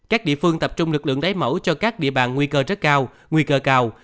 các địa phương tập trung lực lượng đáy mẫu cho các địa bàn nguy cơ rất cao nguy cơ cao